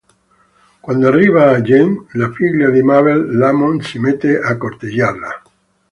Quando arriva Jeanne, la figlia di Mabel, Lamont si mette a corteggiarla.